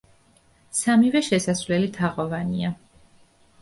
სამივე შესასვლელი თაღოვანია.